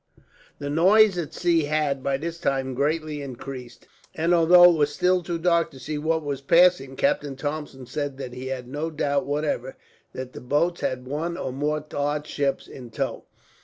The noise at sea had, by this time, greatly increased; and although it was still too dark to see what was passing, Captain Thompson said that he had no doubt, whatever, that the boats had one or more large ships in tow.